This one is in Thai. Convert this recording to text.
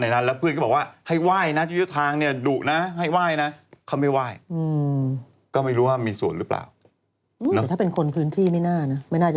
แต่พอเราบอกครั้งนี้เป็นครั้งสุดท้ายแล้วนะแม่